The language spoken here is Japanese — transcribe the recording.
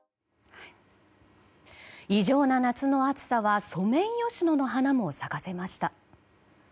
異常な夏の暑さはソメイヨシノの花も咲かせました。